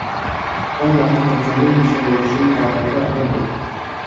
ڕەنگە ئەمە تەرجەمەی وشە بە وشەی نامەکە نەبێ